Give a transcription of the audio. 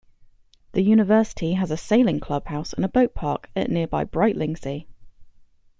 The university has a sailing clubhouse and boat-park at nearby Brightlingsea.